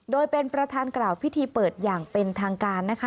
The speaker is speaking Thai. โดยเป็นประธานกล่าวพิธีเปิดอย่างเป็นทางการนะคะ